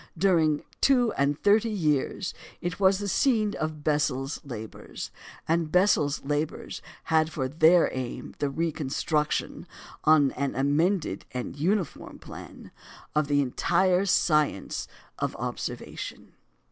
During two and thirty years it was the scene of Bessel's labours, and Bessel's labours had for their aim the reconstruction, on an amended and uniform plan, of the entire science of observation.